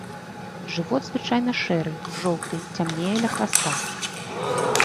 Жывот звычайна шэры, жоўты, цямнее ля хваста.